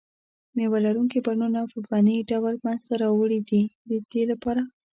مېوه لرونکي بڼونه په فني ډول منځته راوړي دي د دې لپاره.